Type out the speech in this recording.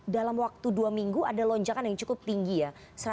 dalam waktu dua minggu ada lonjakan yang cukup tinggi ya